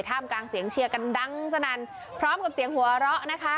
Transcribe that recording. กลางเสียงเชียร์กันดังสนั่นพร้อมกับเสียงหัวเราะนะคะ